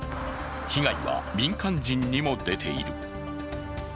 被害は民間人にも出ている。